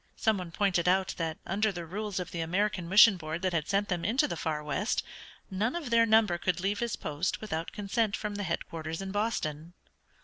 Some one pointed out that under the rules of the American Mission Board that had sent them into the far west none of their number could leave his post without consent from the headquarters in Boston.